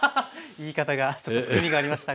言い方がちょっと含みがありましたが。